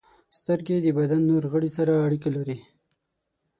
• سترګې د بدن نور غړي سره اړیکه لري.